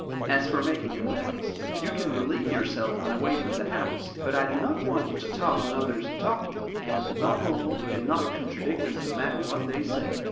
As for making a noise, you can relieve yourself when away from the house, but I do not want you to talk when others are talking, and, above all, do not contradict them, no matter what they say."